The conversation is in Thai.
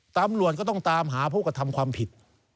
ตำรวจก็ต้องตามหาผู้กระทำความผิด